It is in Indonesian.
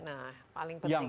nah paling penting itu